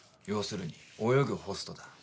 要するに泳ぐホストだ。